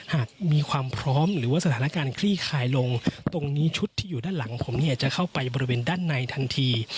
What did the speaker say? หากมีความพร้อมหรือว่าสถานการณ์คลี่คลายลงตรงนี้ชุดที่อยู่ด้านหลังผมเนี่ยจะเข้าไปบริเวณด้านในทันที